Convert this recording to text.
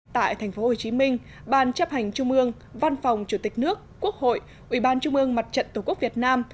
tại tp hcm ban chấp hành trung ương văn phòng chủ tịch nước quốc hội ubnd mặt trận tổ quốc việt nam